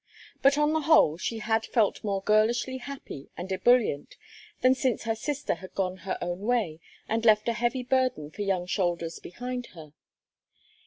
But on the whole she had felt more girlishly happy and ebullient than since her sister had gone her own way and left a heavy burden for young shoulders behind her.